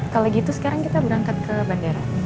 kalau gitu sekarang kita berangkat ke bandara